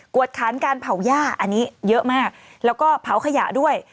วดค้านการเผาย่าอันนี้เยอะมากแล้วก็เผาขยะด้วย